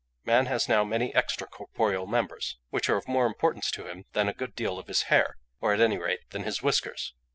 Man has now many extra corporeal members, which are of more importance to him than a good deal of his hair, or at any rate than his whiskers.